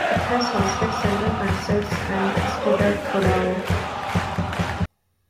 It has hosted several concerts and eisteddfodau.